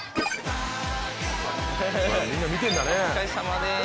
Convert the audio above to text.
お疲れさまです。